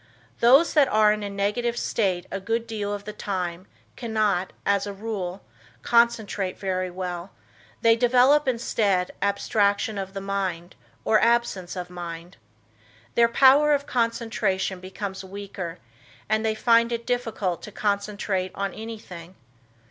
Those that are in a negative state a good deal of the time cannot, as a rule, concentrate very well; they develop instead abstraction of the mind, or absence of mind. Their power of concentration becomes weaker and they find it difficult to concentrate on anything.